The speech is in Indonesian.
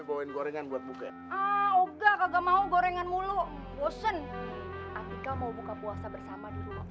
bauin gorengan buat buka oh nggak mau gorengan mulu bosan ateca mau buka puasa bersama di rumah